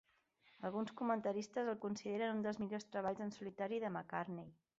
Alguns comentaristes el consideren un dels millors treballs en solitari de McCartney.